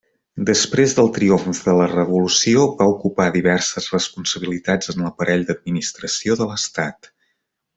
Després del triomf de la Revolució va ocupar diverses responsabilitats en l'aparell d'administració de l'Estat.